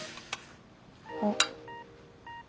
あっ。